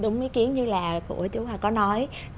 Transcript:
đúng ý kiến như là của chú hà có nói